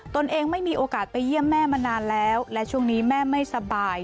ตนเองไม่มีโอกาสไปเยี่ยมแม่มานานแล้วและช่วงนี้แม่ไม่สบาย